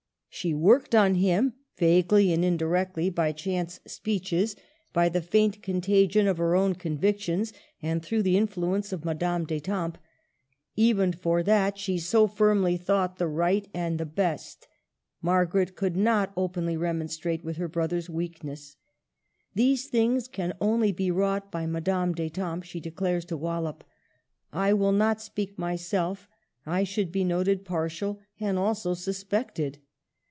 She worked on him vaguely and indirectly, by chance speeches, by the faint contagion of her own convictions, and through the influence of Madame d'Etampes. Even for that she so firmly thought the right and the best, Margaret could not openly remonstrate with her brother's weakness. '' These things can only be wrought by Madame d'Etampes," she declares to Wallup. " I will not speak myself. I should be noted partial, and also suspected."